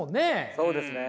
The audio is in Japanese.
そうですね。